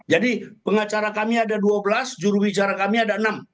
jadi pengacara kami ada dua belas jurubicara kami ada enam